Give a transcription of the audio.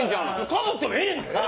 かぶってもええねんで。